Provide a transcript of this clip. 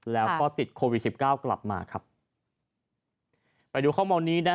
แล้วก็ติดโควิดสิบเก้ากลับมาครับไปดูข้อมูลนี้นะ